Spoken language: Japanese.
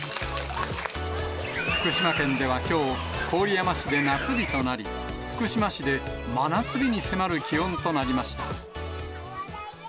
福島県ではきょう、郡山市で夏日となり、福島市で真夏日に迫る気温となりました。